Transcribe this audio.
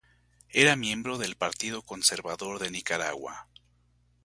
Era miembro del Partido Conservador de Nicaragua.